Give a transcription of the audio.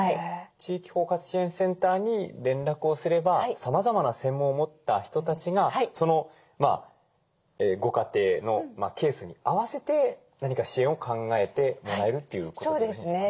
地域包括支援センターに連絡をすればさまざまな専門を持った人たちがそのご家庭のケースに合わせて何か支援を考えてもらえるということでよろしいでしょうかね？